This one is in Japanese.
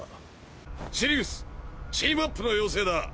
シリウスチームアップの要請だ。